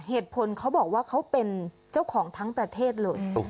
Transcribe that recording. เหตุผลเขาบอกว่าเขาเป็นเจ้าของทั้งประเทศเลย